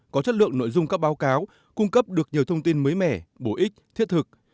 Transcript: có chất lượng nội dung các báo cáo cung cấp được nhiều thông tin mới mẻ bổ ích thiết thực